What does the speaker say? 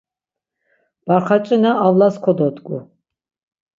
Barxaç̌ina avlas kododgu.